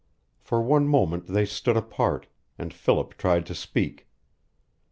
For one moment they stood apart, and Philip tried to speak.